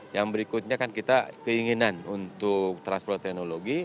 yang berikutnya kan kita keinginan untuk transfer teknologi